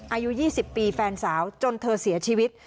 อายุ๒๐ปีแฟนสาวจนเธอเสียชีวิต